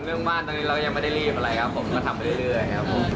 เรื่องบ้านตอนนี้เรายังไม่ได้รีบอะไรครับผมก็ทำไปเรื่อยครับผม